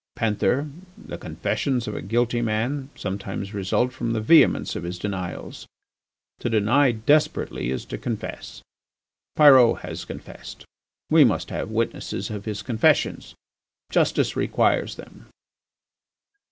"Panther, the confessions of a guilty man sometimes result from the vehemence of his denials. To deny desperately is to confess. Pyrot has confessed; we must have witnesses of his confessions, justice requires them."